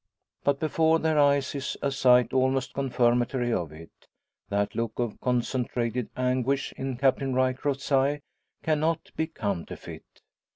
But before their eyes is a sight almost confirmatory of it. That look of concentrated anguish in Captain Ryecroft's eyes cannot be counterfeit.